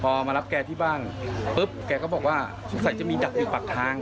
พอมารับแกที่บ้านปุ๊บแกก็บอกว่าสงสัยจะมีดักอยู่ปากทาง